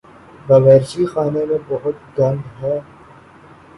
باورچی خانے میں بہت گند ہے